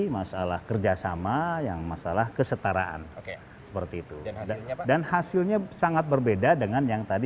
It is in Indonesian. masalah kerjasama yang masalah kesetaraan seperti itu dan hasilnya sangat berbeda dengan yang tadi